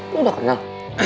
lo udah kenal